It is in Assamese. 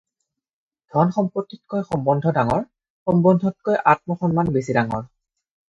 ধন-সম্পত্তিতকৈ সম্বন্ধ ডাঙৰ, সম্বন্ধতকৈ আত্মাসন্মান বেছি ডাঙৰ।